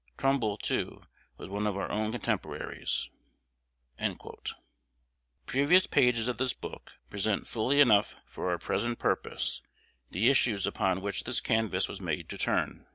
Trumbull, too, was one of our own contemporaries." Previous pages of this book present fully enough for our present purpose the issues upon which this canvass was made to turn.